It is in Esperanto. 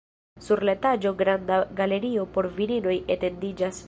Sur la etaĝo granda galerio por virinoj etendiĝas.